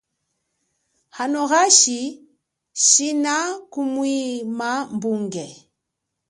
Hano hashi shina kuhwima mbunge.